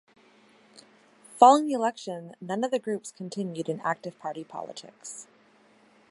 Following the election, none of the groups continued in active party politics.